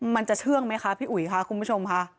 มันจะเชื่องไหมคะพี่อุ๋ยค่ะคุณผู้ชมค่ะ